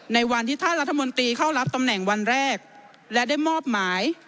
ในวันที่ท่านรัฐมนตรีเข้ารับตำแหน่งวันแรกและได้มอบหมาย